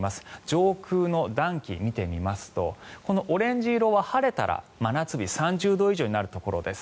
上空の暖気を見てみますとオレンジ色は晴れたら真夏日３０度以上になるところです。